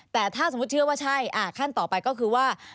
แต่ถ้าสมมุติเชื่อว่าใช่ขั้นต่อไปก็คือว่า